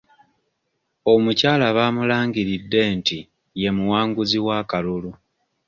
Omukyala baamulangiridde nti ye muwanguzi w'akalulu.